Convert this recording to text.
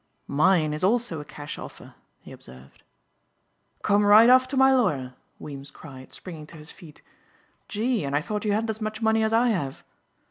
"Mine is also a cash offer," he observed. "Come right off to my lawyer," Weems cried springing to his feet. "Gee, and I thought you hadn't as much money as I have."